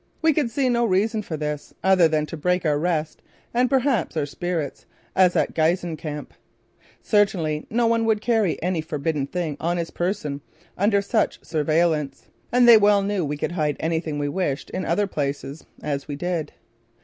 We could see no reason for this; other than to break our rest and perhaps our spirits, as at Giessen Camp. Certainly, no one would carry any forbidden thing on his person, under such surveillance, and they well knew we could hide anything we wished in other places; as we did.